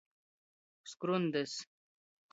Skrundys.